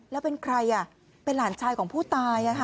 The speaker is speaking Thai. แล้วเป็นใครเป็นหลานชายของผู้ตาย